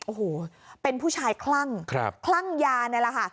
โอ้โหเป็นผู้ชายคลั่งคลั่งยานี่แหละค่ะ